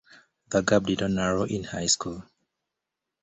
The gap did not narrow in high school.